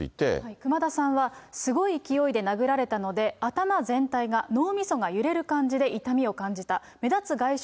熊田さんはすごい勢いで殴られたので、頭全体が脳みそが揺れる感じで痛みを感じた。